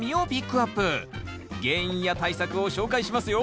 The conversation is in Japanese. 原因や対策を紹介しますよ。